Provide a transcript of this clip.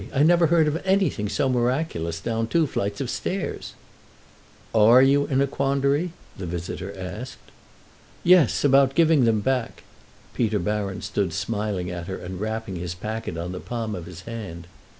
I never heard of anything so miraculous; down two flights of stairs." "Are you in a quandary?" the visitor asked. "Yes, about giving them back." Peter Baron stood smiling at her and rapping his packet on the palm of his hand.